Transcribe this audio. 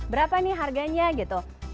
berapa ini harganya gitu